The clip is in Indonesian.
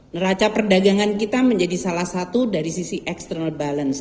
neraca perdagangan kita menjadi salah satu dari sisi external balance